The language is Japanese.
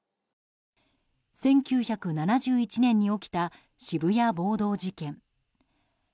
１９７１年に起きた渋谷暴動事件。